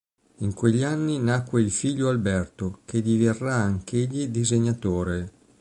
In quegli anni nacque il figlio Alberto, che diverrà anch'egli disegnatore.